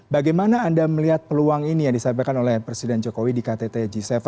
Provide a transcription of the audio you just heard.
bagaimana anda melihat peluang ini yang disampaikan oleh presiden jokowi di ktt g tujuh